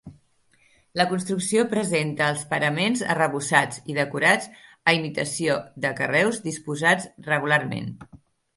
La construcció presenta els paraments arrebossats i decorats a imitació de carreus disposats regularment.